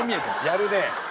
やるねぇ。